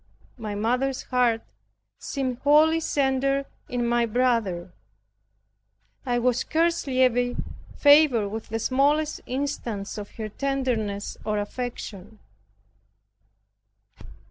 My mother's heart seemed wholly centered in my brother. I was scarcely ever favored with the smallest instance of her tenderness or affection.